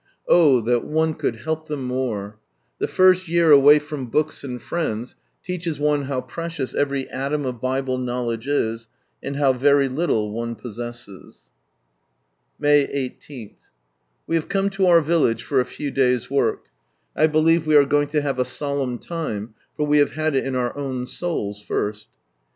Oh that one could help them more I The first year away from books and friends, teaches one bow precious every atom of Bible knowledge is, and how very little one possesses. With one Bare Telling 151 May 18. — We have come to our village for a few days' work. I believe we are going to have a solemn time, for we have had it in our own souls first.